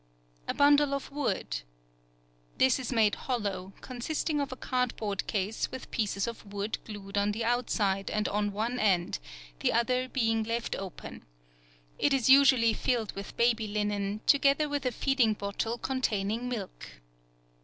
A bundle of wood.—This is made hollow, consisting of a cardboard case with pieces of wood glued on the outside and on one end, the other being left open. It is usually filled with baby linen, together with a feeding bottle containing milk.